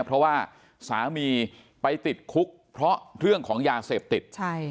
เพราะว่าสามีไปติดคุกเพราะเรื่องของยาเสพติด